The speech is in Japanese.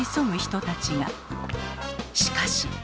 しかし。